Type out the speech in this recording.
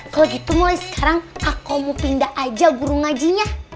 kalau gitu mulai sekarang aku mau pindah aja burung ngajinya